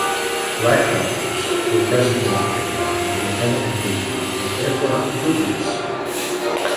Black leopards were present in the area and the identification is therefore dubious.